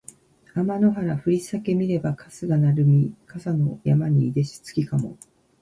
あまの原ふりさけ見ればかすがなるみ笠の山にいでし月かも